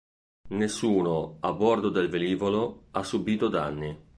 Nessuno a bordo del velivolo ha subito danni.